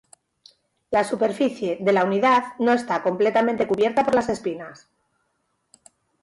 La superficie de la unidad no está completamente cubierta por las espinas.